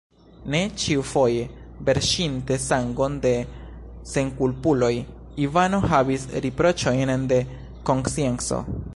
Ne ĉiufoje, verŝinte sangon de senkulpuloj, Ivano havis riproĉojn de konscienco.